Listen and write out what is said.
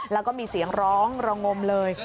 แล้วก็มีเสียงร้องระงมเลย